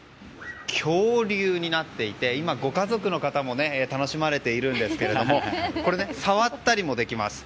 恐竜になっていて今、ご家族の方も楽しまれているんですが触ったりもできます。